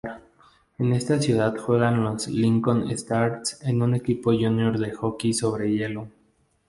En esta ciudad juegan los Lincoln Stars un equipo junior de hockey sobre hielo.